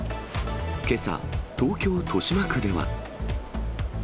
けさ、東京・豊島区では。